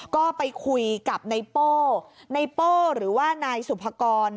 ก็ไปคุยกับไนโป้ในโป้หรือว่านายสุภกร